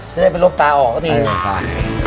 จะได้ไปลบตาออกก็ดีใช่ไหมครับฟ้า